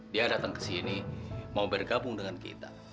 dia datang ke sini mau bergabung dengan kita